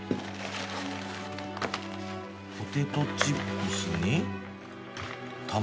ポテトチップスに卵。